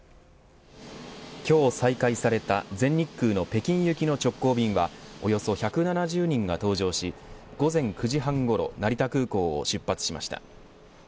今日、再開された全日空の北京行きの直行便はおよそ１７０人が搭乗し午前９時半ごろ成田空港を出発しました。